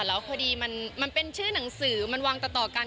แล้วพอดีมันเป็นชื่อหนังสือมันวางต่อกัน